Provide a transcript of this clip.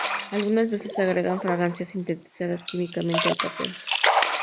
Algunas veces se agregan fragancias sintetizadas químicamente al papel.